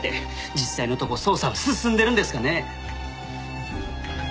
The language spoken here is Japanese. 実際のとこ捜査は進んでるんですかね？